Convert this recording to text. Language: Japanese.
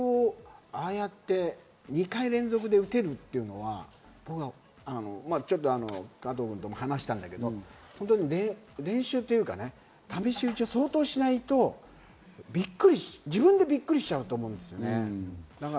それをああやって２回連続で撃てるっていうのは、加藤君とも話したけど、練習というか、試し撃ちを相当しないと自分でびっくりしちゃうと思うんですよね。